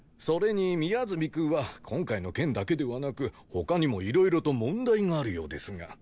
それに宮澄くんは今回の件だけではなく他にもいろいろと問題があるようですが。